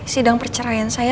sidang perceraian saya